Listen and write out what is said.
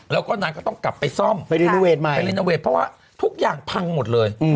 แล้วก็นางก็ต้องกลับไปซ่อมไปรีโนเวทเพราะว่าทุกอย่างพังหมดเลย